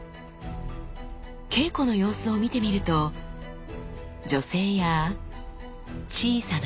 稽古の様子を見てみると女性や小さな子どもの姿も！